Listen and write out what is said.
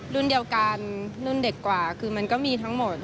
รุ่นเดียวกันรุ่นเด็กกว่าคือมันก็มีทั้งหมด